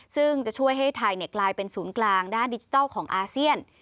ซึ่งจะช่วยให้ไทยกลายเป็นศูนย์กลางด้านดิจิทัลของอาเซียน